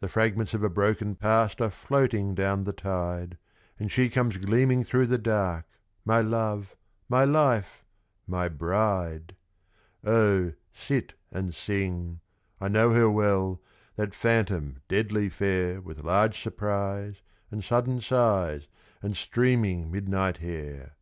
The fragments of a broken Past are floating down the tide, And she comes gleaming through the dark, my love, my life, my bride! Oh! sit and sing I know her well, that phantom deadly fair With large surprise, and sudden sighs, and streaming midnight hair!